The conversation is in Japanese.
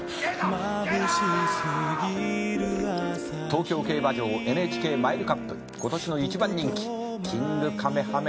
「東京競馬場ＮＨＫマイルカップ」「今年の１番人気キングカメハメハであります」